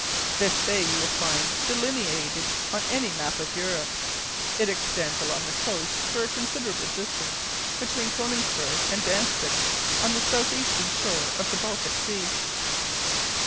This bay you will find delineated on any map of Europe. It extends along the coast for a considerable distance between Konigsberg and Dantzic, on the southeastern shore of the Baltic Sea.